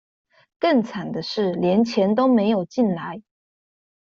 更慘的是連錢都沒有進來